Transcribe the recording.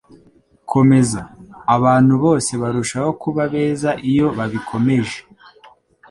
Komeza. Abantu bose barushaho kuba beza iyo babikomeje. ”